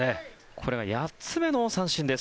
これが８つ目の三振です。